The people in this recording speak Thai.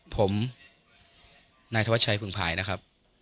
ผมนายธวัชชัยพึงภายนะครับ